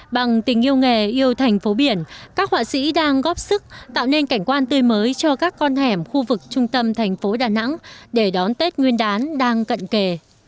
bằng tình yêu nghề yêu thành phố biển các họa sĩ đang góp sức tạo nên cảnh quan tươi mới cho các con hẻm khu vực trung tâm thành phố đà nẵng để đón tết nguyên đán đang cận kề